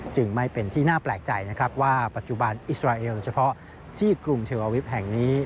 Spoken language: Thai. จึงไม่เป็นที่น่าแปลกใจนะครับว่าปัจจุบันอิสราเอลเฉพาะที่กรุงเทลอาวิฟแห่งนี้